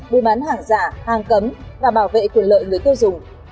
bùi bắn hàng giả hàng cấm và bảo vệ quyền lợi người tiêu dùng